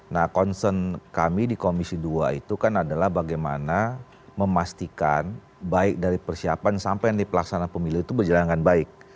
nah concern kami di komisi dua itu kan adalah bagaimana memastikan baik dari persiapan sampai yang di pelaksanaan pemilu itu berjalan dengan baik